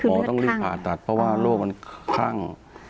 ต้องรีบผ่าตัดเพราะว่าโรคมันคลั่ง